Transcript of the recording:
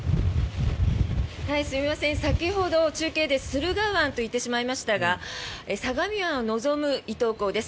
すいません、先ほど中継で駿河湾と言ってしまいましたが相模湾を望む伊東港です。